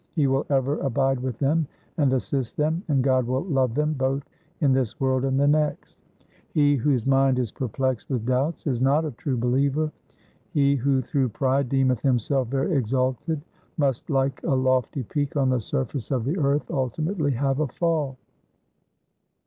He will ever abide with them and assist them, and God will love them both in this world and the next. He whose mind is perplexed with doubts is not a true believer. He who through pride deemeth himself very exalted must like a lofty peak on the surface of the earth ultimately have a fall.